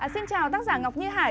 xin chào tác giả ngọc như hải